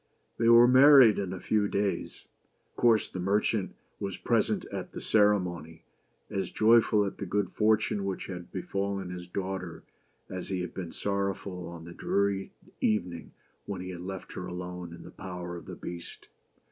They were married in a few days. Of course the merchant was present at the ceremony, as joyful at the good fortune which had befallen his daughter as he had been sorrowful on the dreary evening when he had left her alone in the power of the Beast.